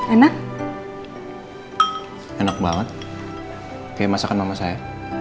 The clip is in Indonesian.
enak enak banget kayak masakan mama saya